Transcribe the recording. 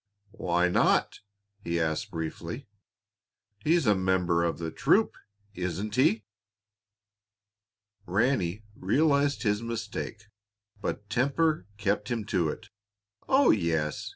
"Why not?" he asked briefly. "He's a member of the troop, isn't he?" Ranny realized his mistake, but temper kept him to it. "Oh, yes!